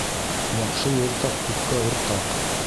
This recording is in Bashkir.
Яҡшы юртаҡ күпкә уртаҡ.